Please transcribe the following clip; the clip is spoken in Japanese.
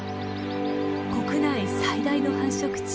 国内最大の繁殖地